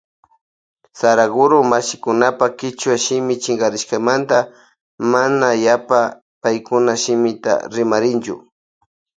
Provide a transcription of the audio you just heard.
Saraguro mashikunapa kichwa shimi chinkarikushkamanta mana yapa paykunapa shimita rimarinchu.